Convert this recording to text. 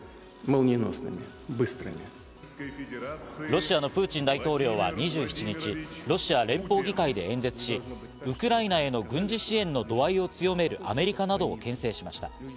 ロシアのプーチン大統領は２７日、ロシア連邦議会で演説し、ウクライナへの軍事支援の度合いを強めるアメリカなどを牽制しました。